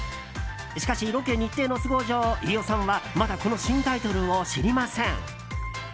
しかし、ロケ日程の都合上飯尾さんは、まだこの新タイトルを知りません。